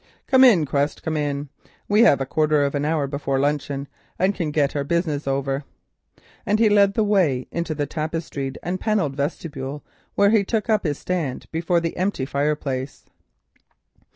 "Come, Quest, come in. We have a quarter of an hour before luncheon, and can get our business over," and he led the way through the passage into the tapestried and panelled vestibule, where he took his stand before the empty fireplace.